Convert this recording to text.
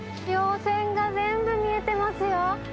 稜線が全部見えてますよ。